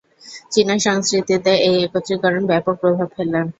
চীনা সংস্কৃতিতে এই একত্রীকরণ ব্যাপক প্রভাব ফেলে।